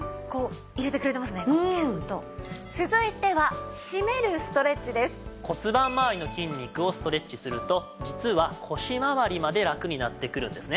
続いては骨盤まわりの筋肉をストレッチすると実は腰まわりまでラクになってくるんですね。